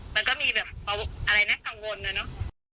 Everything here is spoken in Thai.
มันก็มีอะไรแบบกังวลเลยเนอะ